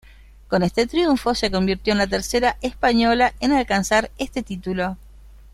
Con este triunfo se convirtió en la tercera española en alcanzar este título.